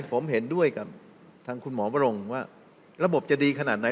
ผมเห็นด้วยกับทางคุณหมอบรงว่าระบบจะดีขนาดไหน